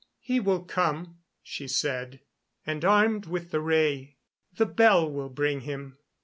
"He will come," she said, "and armed with the ray. The bell will bring him.